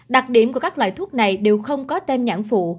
đặc điểm của các loại thuốc này đều không có tem nhãn phụ